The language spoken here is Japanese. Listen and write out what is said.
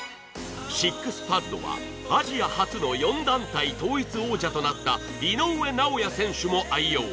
ＳＩＸＰＡＤはアジア初の４団体統一王者となった井上尚弥選手も愛用。